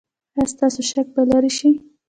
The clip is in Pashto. ایا ستاسو شک به لرې شي؟